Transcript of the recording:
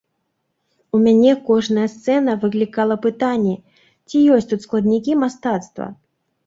У мяне кожная сцэна выклікала пытанне, ці ёсць тут складнікі мастацтва.